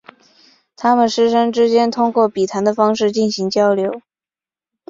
他们师生之间通过笔谈的方式进行交流。